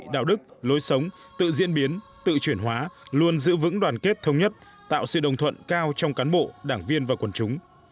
đạo đức lối sống tự diễn biến tự chuyển hóa luôn giữ vững đoàn kết thống nhất tạo sự đồng thuận cao trong cán bộ đảng viên và quần chúng